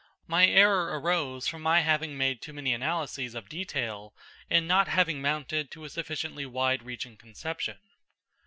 My error arose from my having made too many analyses of detail, and not having mounted to a sufficiently wide reaching conception.